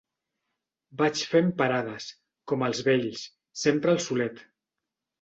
Vaig fent parades, com els vells, sempre al solet.